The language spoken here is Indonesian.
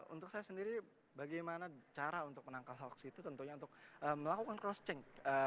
untuk saya sendiri bagaimana cara untuk menangkal hoax itu tentunya untuk melakukan cross check